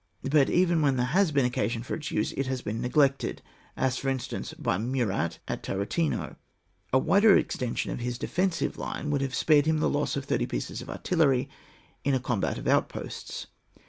But even when there has been occasion for its use it has been neglected, as for instance, by Murat, at Tarutino. A wider extension of his defensive line would have spared him the loss of thirty pieces of artillery in a combat of out posts.